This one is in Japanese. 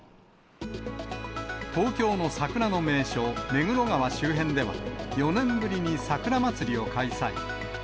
東京の桜の名所、目黒川周辺では、４年ぶりに桜まつりを開催。